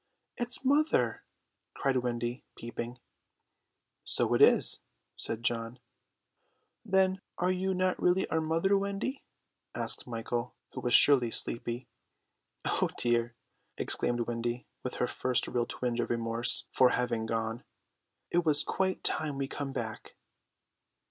"It's mother!" cried Wendy, peeping. "So it is!" said John. "Then are you not really our mother, Wendy?" asked Michael, who was surely sleepy. "Oh dear!" exclaimed Wendy, with her first real twinge of remorse, "it was quite time we came back."